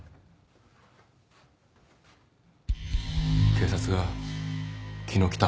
警察が昨日来た。